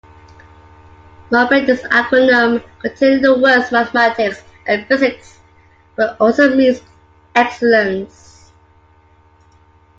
Mofet is an acronym containing the words Mathematics and Physics, but also means "excellence".